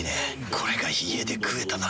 これが家で食えたなら。